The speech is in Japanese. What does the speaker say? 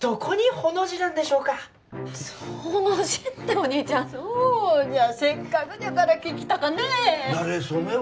ホの字ってお兄ちゃんそうじゃせっかくだから聞きたかねえなれ初めは？